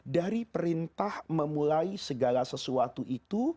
dari perintah memulai segala sesuatu itu